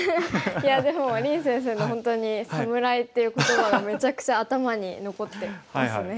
いやでも林先生の本当に侍っていう言葉がめちゃくちゃ頭に残ってますね。